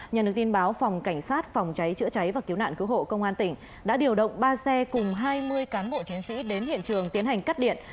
nhận được tin báo phòng cảnh sát phòng cháy chữa cháy và cứu nạn cứu hộ công an tỉnh đã điều động ba xe cùng hai mươi cán bộ chiến sĩ đến hiện trường tiến hành cắt điện